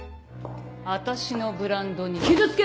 私のブランドに傷つける気か！